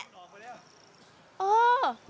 ครับ